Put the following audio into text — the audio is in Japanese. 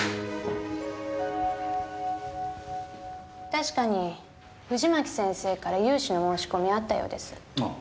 確かに藤巻先生から融資の申し込みあったようです。ああ。